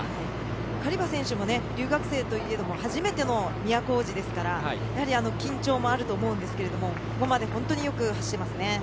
カリバ選手も留学生といえども初めての都大路ですから緊張もあると思うんですけどここまで本当によく走っていますね。